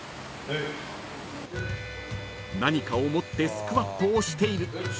［何かを持ってスクワットをしている］